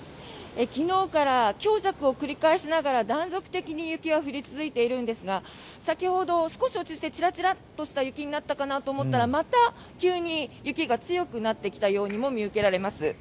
昨日から強弱を繰り返しながら断続的に雪は降り続いているんですが先ほど、少し落ち着いてちらちらっとした雪になったかなと思ったらまた急に雪が強くなってきたようにも見受けられます。